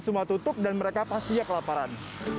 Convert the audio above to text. semua tutup dan mereka pasti ya kelaparan